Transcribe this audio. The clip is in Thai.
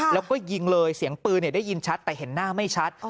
แล้วก็ยิงเลยเสียงปืนได้ยินชัดแต่เห็นหน้าไม่ชัด